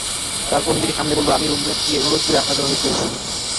তারপর নিজেকে সামলে বলল, আমি রুমমেটকে অনুরোধ করে আপনার জন্য লিখিয়ে এনেছি।